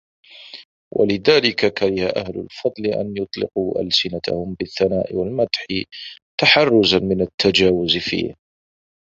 وَلِذَلِكَ كَرِهَ أَهْلُ الْفَضْلِ أَنْ يُطْلِقُوا أَلْسِنَتَهُمْ بِالثَّنَاءِ وَالْمَدْحِ تَحَرُّزًا مِنْ التَّجَاوُزِ فِيهِ